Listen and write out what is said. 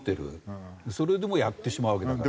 それでもやってしまうわけだから。